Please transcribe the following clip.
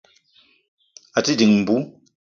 À te dìng mbú